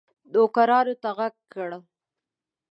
نوکرانو ته ږغ کړل.